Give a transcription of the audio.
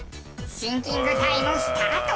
シンキングタイムスタート！